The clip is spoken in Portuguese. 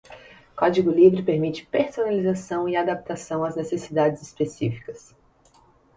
Código livre permite personalização e adaptação às necessidades específicas.